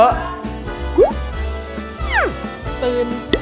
ตื่น